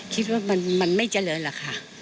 คิดว่ามันไม่เจริญหรอกค่ะ